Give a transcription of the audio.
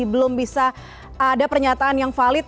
belum bisa ada pernyataan yang valid